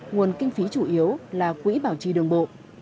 nguồn kinh phí chủ yếu là quỹ bảo trì đường bộ